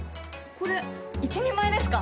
これ１人前ですか？